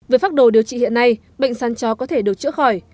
về pháp đồ điều trị hiện nay bệnh sán chó có thể được chữa khỏi